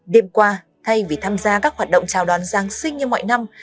đêm qua thay vì tham gia các hoạt động chào đón giáng sinh như mọi năm